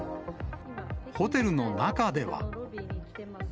ホテルの中では。